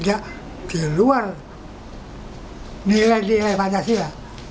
tidak di luar nilai nilai pancasila